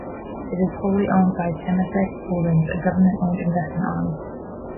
It is wholly owned by Temasek Holdings, a government-owned investment arm.